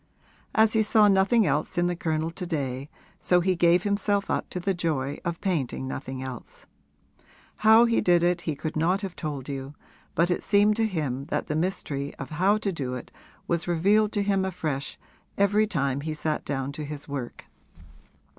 As he saw nothing else in the Colonel to day, so he gave himself up to the joy of painting nothing else. How he did it he could not have told you, but it seemed to him that the mystery of how to do it was revealed to him afresh every time he sat down to his work.